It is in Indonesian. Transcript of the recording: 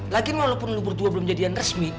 lagian walaupun lo berdua belum jadian resmi